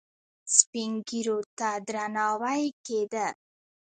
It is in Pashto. سپین ږیرو ته درناوی کیده